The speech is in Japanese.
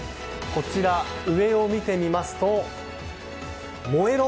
こちら、上を見てみますと燃えろ！